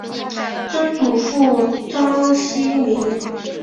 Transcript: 曾祖父章希明。